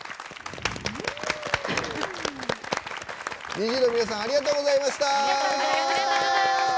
ＮｉｚｉＵ の皆さんありがとうございました。